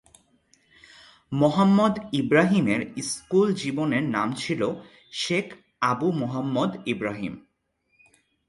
মোহাম্মদ ইব্রাহিমের স্কুল জীবনের নাম ছিল শেখ আবু মোহাম্মদ ইব্রাহিম।